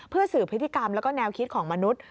เพื่อสืบพฤติกรรมแล้วก็แนวคิดของมนุษย์